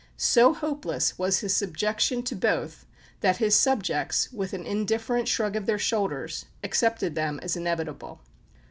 So hopeless was his subjection to both that his subjects, with an indifferent shrug of the shoulders, accepted them as inevitable.